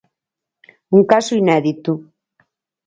Un caso inédito.